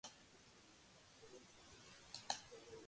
ჭუმე